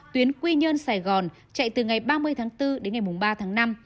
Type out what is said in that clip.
tuyến quy nhơn sài gòn chạy từ ngày ba mươi tháng bốn đến ngày ba tháng năm